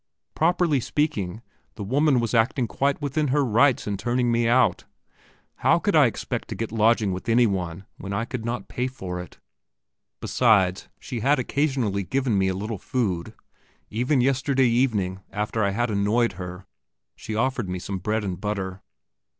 Properly speaking, the woman was acting quite within her rights in turning me out. How could I expect to get lodging with any one when I could not pay for it? Besides, she had occasionally given me a little food; even yesterday evening, after I had annoyed her, she offered me some bread and butter.